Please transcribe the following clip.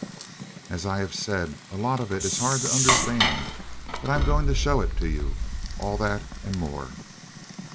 "As I have said, a lot of it is hard to understand, but I'm going to show it to you all that, and more."